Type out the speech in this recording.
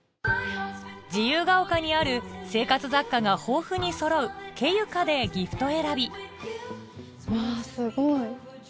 自由が丘にある生活雑貨が豊富にそろう「ＫＥＹＵＣＡ」でギフト選びわぁすごい。